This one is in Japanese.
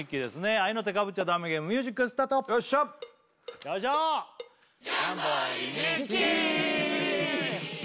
合いの手かぶっちゃダメゲームミュージックスタートよっしゃよいしょーうるせえ！